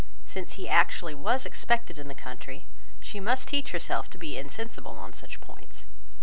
Since he actually was expected in the country, she must teach herself to be insensible on such points.